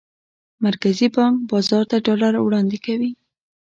مرکزي بانک بازار ته ډالر وړاندې کوي.